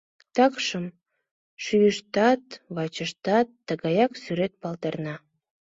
Такшым шӱйыштат, вачыштат тыгаяк сӱрет палдырна.